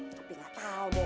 tapi gak tau deh